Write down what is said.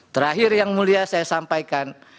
terakhir yang mulia saya sampaikan